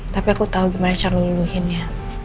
tapi aku tau gimana cara luluhinnya